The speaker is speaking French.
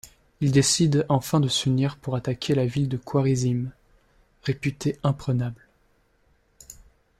Ils décident enfin de s'unir pour attaquer la ville de Kwarizim, réputée imprenable…